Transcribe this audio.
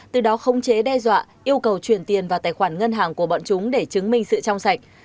từ đó không chế đe dọa yêu cầu chuyển tiền vào tài khoản ngân hàng của bọn chúng để chứng minh sự trong sạch